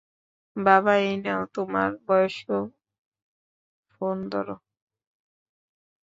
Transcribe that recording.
বাবা, এই নাও, তোমার বয়স্ক ফোন ধরো।